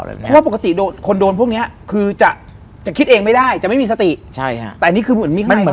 เพราะปกติคนโดนพวกนี้คือจะคิดเองไม่ได้จะไม่มีสติแต่อันนี้คือเหมือนมีข้างในก็บอก